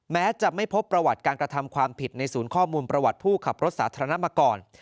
แม้จะไม่พบประวัติการกระทำความผิดในศูนย์ข้อมูลประวัติผู้ขับรถสาธารณะมาก่อน